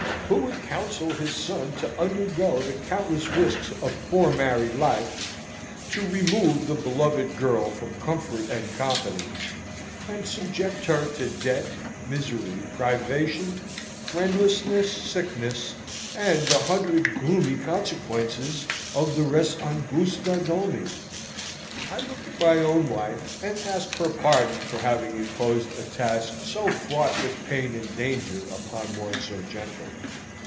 Who would counsel his son to undergo the countless risks of poor married life, to remove the beloved girl from comfort and competence, and subject her to debt, misery, privation, friendlessness, sickness, and the hundred gloomy consequences of the res angusta domi? I look at my own wife and ask her pardon for having imposed a task so fraught with pain and danger upon one so gentle.